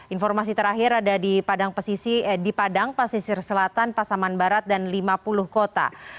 informasi terakhir ada di padang pesisir selatan pasaman barat dan lima puluh kota